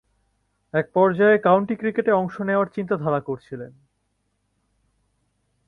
এক পর্যায়ে কাউন্টি ক্রিকেটে অংশ নেয়ার চিন্তাধারা করেছিলেন।